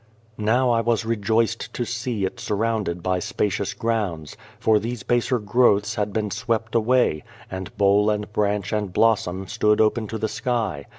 Now I was rejoiced to see it surrounded by spacious grounds, for these baser growths had 247 A World been swept away ; and bole and branch and blossom stood open to the sky.